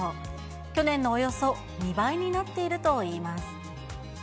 去年のおよそ２倍になっているといいます。